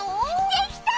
できた！